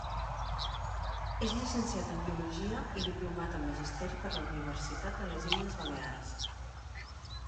És llicenciat en biologia i diplomat en magisteri per la Universitat de les Illes Balears.